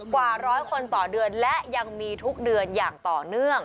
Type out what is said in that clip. กว่าร้อยคนต่อเดือนและยังมีทุกเดือนอย่างต่อเนื่อง